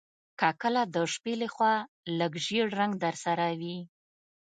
که کله د شپې لخوا لږ ژیړ رنګ درسره وي